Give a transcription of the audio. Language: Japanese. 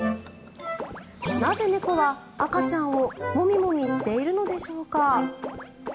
なぜ、猫は赤ちゃんをモミモミしているのでしょうか。